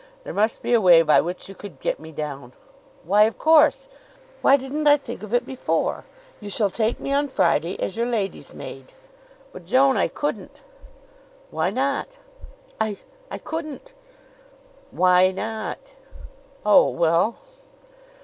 There must be a way by which you could get me down Why, of course! Why didn't I think of it before! You shall take me on Friday as your lady's maid!" "But, Joan, I couldn't!" "Why not?" "I I couldn't." "Why not?" "Oh, well!"